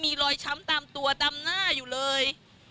มีรอยช้ำตามตัวตามหน้าอยู่เลย